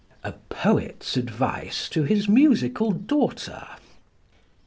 A Poet's Advice to His Musical Daughter.